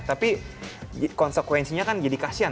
tapi konsekuensinya kan jadi kasian